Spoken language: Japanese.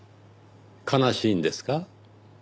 悲しいんですか？